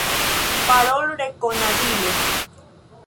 Parolrekonadilo.